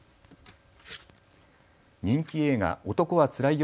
人気映画、男はつらいよ